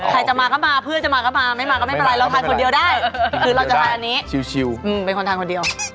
ใครจะมาก็มาเพื่อนจะมาก็มาไม่มาก็ไม่เป็นไรเราทานคนเดียวได้คือเราจะทานอันนี้ชิลเป็นคนทานคนเดียว